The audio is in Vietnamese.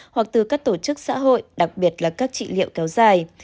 hoặc từ các tổ chức xã hội đặc biệt là các trị liệu kéo dài